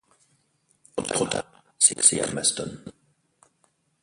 Trop tard! s’écria Maston.